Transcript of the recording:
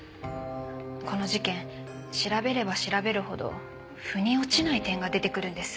この事件調べれば調べるほど腑に落ちない点が出てくるんです。